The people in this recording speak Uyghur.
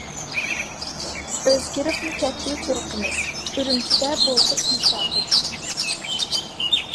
ئۆزگىرىپمۇ كەتتى تۇرقىمىز، ئۈرۈمچىدە بولدۇق مۇساپىر.